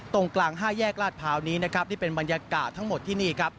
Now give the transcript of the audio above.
ตรงกลางห้าแยกราวนี้เป็นบรรยากาศทั้งหมดที่นี่